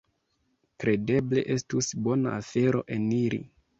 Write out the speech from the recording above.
Kredeble estus bona afero eniri."